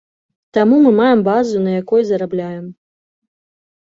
Таму мы маем базу, на якой зарабляем.